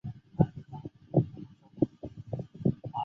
天水小檗为小檗科小檗属下的一个种。